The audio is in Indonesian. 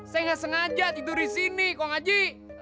saya gak sengaja tidur di sini kong ngaji